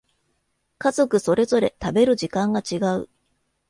家族それぞれ食べる時間が違う